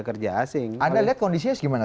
kerja asing anda lihat kondisinya gimana